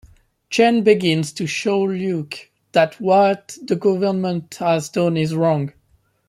Jen begins to show Luke that what the government has done is wrong.